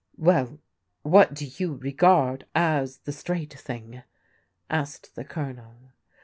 "Well, what do you regard as the straight thing?" asked the Colonel.